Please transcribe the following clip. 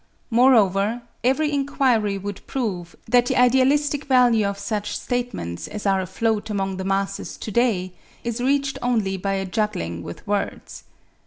Moreover, every inquiry would prove that the idealistic value of such statements as are afloat among the masses to day is reached only by a juggling with words.